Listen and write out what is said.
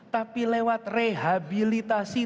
tapi lewat rehabilitasi